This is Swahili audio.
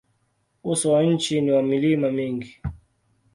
Uso wa nchi ni wa milima mingi.